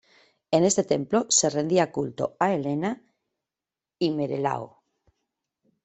En este templo se rendía culto a Helena y Menelao.